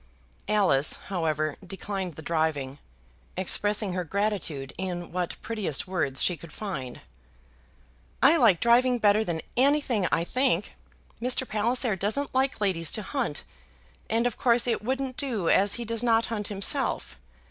Alice, however, declined the driving, expressing her gratitude in what prettiest words she could find. "I like driving better than anything, I think. Mr. Palliser doesn't like ladies to hunt, and of course it wouldn't do as he does not hunt himself.